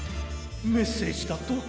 メッセージだと？